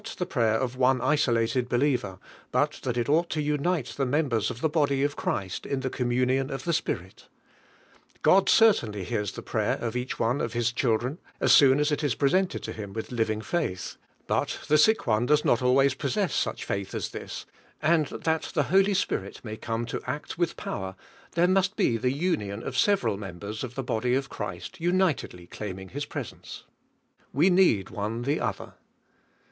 the prayer of one isolated believer, but that it ought to unite the members of the body of Christ in the communion of the Spirit find certainly hems the prayer of each one of Ilis children as soon as it is pre seiileil to 11 ] in with living failh, hul the 141! OIV1NE HEALING. sick one does not always possess such faith as this; and that the Holy Spirit may come to act with power, there must be the anion of several members of the body of Christ unitedly claiming His presence. We need one the oilier.